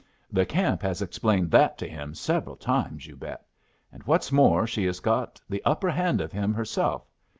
The camp has explained that to him several times, you bet! And what's more, she has got the upper hand of him herself.